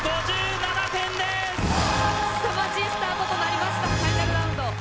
すさまじいスタートとなりましたファイナルラウンド。